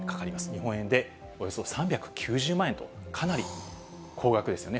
日本円でおよそ３９０万円と、かなり高額ですよね。